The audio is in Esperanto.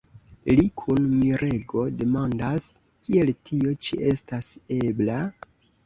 Li kun mirego demandas: « Kiel tio ĉi estas ebla?"